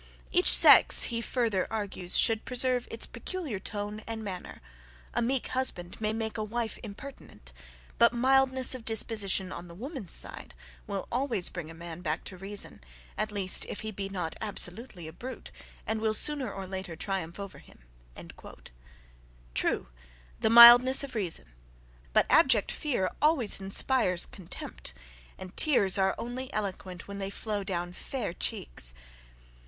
"Each sex," he further argues, "should preserve its peculiar tone and manner: a meek husband may make a wife impertinent; but mildness of disposition on the woman's side will always bring a man back to reason, at least if he be not absolutely a brute, and will sooner or later triumph over him." True, the mildness of reason; but abject fear always inspires contempt; and tears are only eloquent when they flow down fair cheeks.